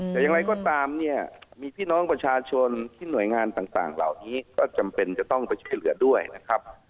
แต่อย่างไรก็ตามเนี่ยมีพี่น้องประชาชนที่หน่วยงานต่างเหล่านี้ก็จำเป็นจะต้องไปช่วยเหลือด้วยนะครับ